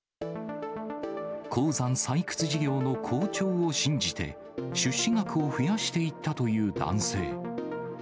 鉱山採掘事業の好調を信じて、出資額を増やしていったという男性。